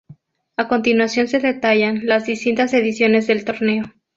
A continuación se detallan las distintas ediciones del torneo.